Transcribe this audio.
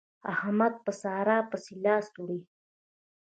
احمد په سارا پسې لاس وړي.